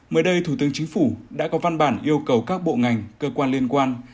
mới đây thủ tướng chính phủ đã có văn bản yêu cầu các bộ ngành cơ quan liên quan